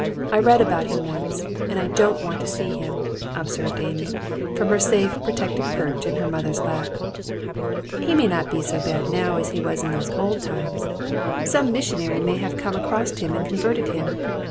I read about him once, and I don't want to see him," observed Amy, from her safe protected perch in her mother's lap. "He may not be so bad now as he was in those old times. Some missionary may have come across him and converted him.